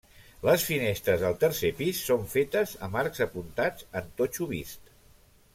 Les finestres del tercer pis són fetes amb arcs apuntats en totxo vist.